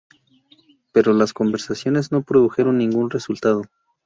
Pero las conversaciones no produjeron ningún resultado.